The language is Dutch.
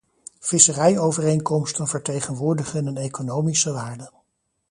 Visserijovereenkomsten vertegenwoordigen een economische waarde.